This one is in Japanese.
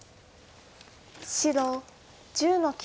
白１０の九。